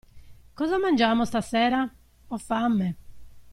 Cosa mangiamo stasera? Ho fame!